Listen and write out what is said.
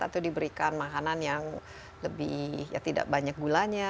atau diberikan makanan yang lebih ya tidak banyak gulanya